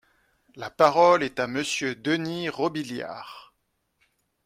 La parole est à Monsieur Denys Robiliard.